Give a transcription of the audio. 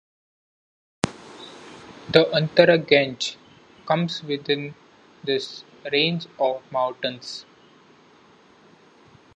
The Antara Gange comes within this range of mountains.